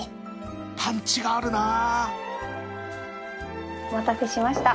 パンチがあるなお待たせしました。